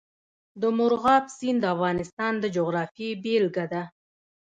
مورغاب سیند د افغانستان د جغرافیې بېلګه ده.